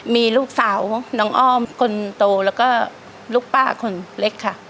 มีลูกสาวน้องอ้อมคนโตแล้วก็ลูกป้าคนเล็กค่ะ